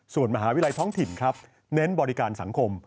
ส่วนมหาวิทยาลัยท้องถิ่นครับเน้นบริการสังคม